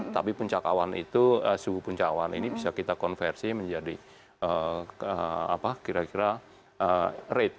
tapi puncak awan itu suhu puncak awan ini bisa kita konversi menjadi kira kira rate